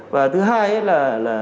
và thứ hai là